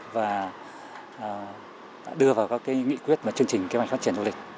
và đưa vào các nghị quyết và chương trình kế hoạch phát triển du lịch